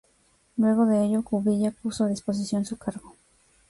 Luego de ello, Cubilla puso a disposición su cargo.